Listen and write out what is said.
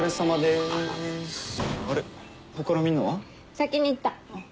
先に行った。